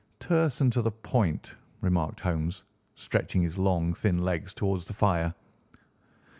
"Terse and to the point," remarked Holmes, stretching his long, thin legs towards the fire.